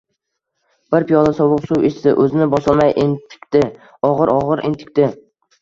Bir piyola sovuq suv ichdi. O’zini bosolmay entikdi. Og‘ir-og‘ir entikdi.